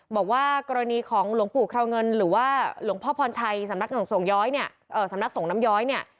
บอกว่ากรณีของหลวงปู่คราวเงินหรือว่าหลวงพ่อพรชัยสำนักสงสงน้ำย้อย